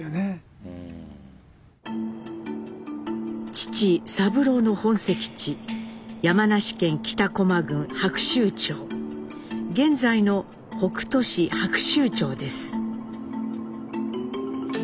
父三郎の本籍地山梨県北巨摩郡白州町現在の北杜市白州町です。